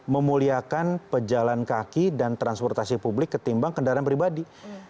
memuliakan pejalan kaki dan transportasi publik ketimbang kendaraan pribadi